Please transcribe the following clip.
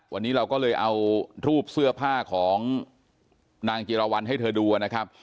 วันนี้เราก็เลยเอารูปเสื้อผ้าของนางจิรวรรณให้เธอดูนะครับ